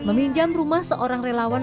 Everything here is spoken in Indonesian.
meminjam rumah seorang relawan